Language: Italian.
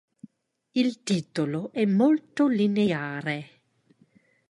Il titolo è molto lineare.